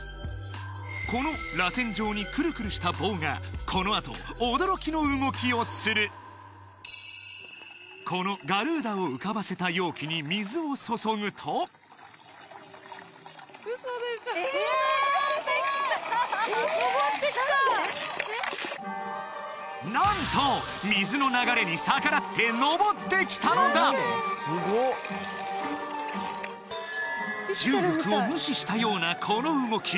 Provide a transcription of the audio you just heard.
このらせん状にクルクルした棒がこのあと驚きの動きをするこのガルーダを浮かばせた容器に水を注ぐと何と水の流れに逆らってのぼってきたのだ重力を無視したようなこの動き